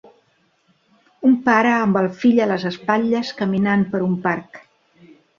Un pare amb el fill a les espatlles caminant per un parc.